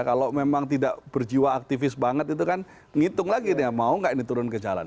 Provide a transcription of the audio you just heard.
kalau memang tidak berjiwa aktivis banget itu kan ngitung lagi dia mau nggak ini turun ke jalan